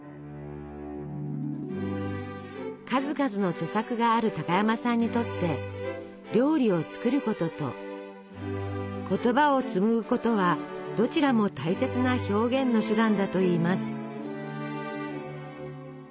数々の著作がある高山さんにとって料理を作ることと言葉を紡ぐことはどちらも大切な「表現の手段」だといいます。